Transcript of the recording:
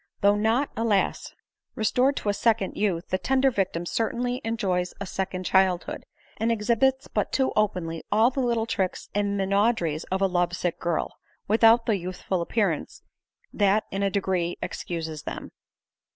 Though not, alas ! restored to a second youth, the tender victim certainly enjoys a second childhood, and exhibits but too openly all the little tricks and minau deries of a lovesick girl, without the youthful appearance that in a degree excuses them.